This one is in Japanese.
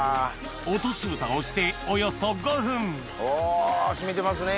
落としぶたをしておよそ５分お染みてますね！